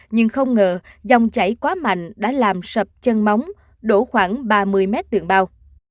nhưng không ngờ dòng chảy quá mạnh đã làm sập chân móng đổ khoảng ba mươi mét tường bao